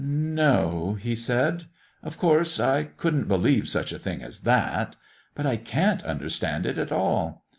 "No," he said, "of course I couldn't believe such a thing as that. But I can't understand it at all.